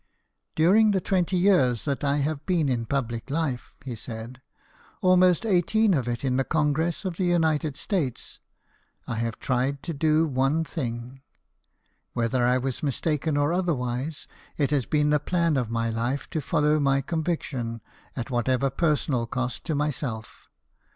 " During the twenty years that I have been in public life," he said, " almost eighteen of it in the Congress of the United States, I have tried to do one thing. Whether I was mistaken or otherwise, it has been the plan of my life to follow my conviction, at whatever personal cost to myself.